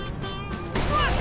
うわっ！